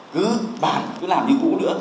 cứ bàn cứ làm những vụ nữa